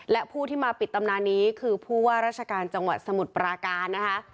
และผู้ที่มาปิดตำนานนี้คือผู้ว่าราชการจังหวัดสมุทรปราการนะคะ